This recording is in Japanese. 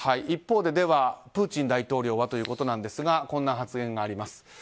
一方で、プーチン大統領はということなんですがこんな発言があります。